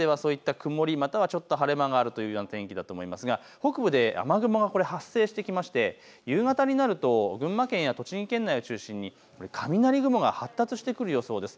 曇りまたはちょっと晴れ間があるというような天気だと思いますが北部で雨雲が発生してきまして夕方になると群馬県や栃木県内を中心に雷雲が発達してくる予想です。